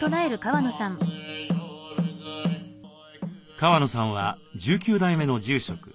川野さんは１９代目の住職。